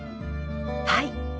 はい。